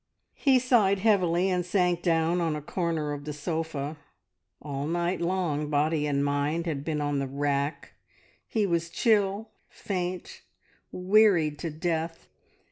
He sighed heavily and sank down on a corner of the sofa. All night long body and mind had been on the rack; he was chill, faint, wearied to death.